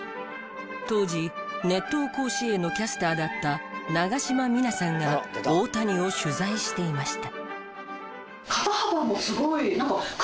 当時『熱闘甲子園』のキャスターだった長島三奈さんが大谷を取材していました。